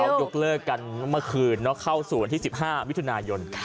เขายกเลิกกันเมื่อคืนเข้าสู่วันที่๑๕มิถุนายน